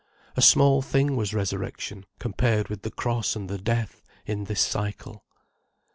A small thing was Resurrection, compared with the Cross and the death, in this cycle.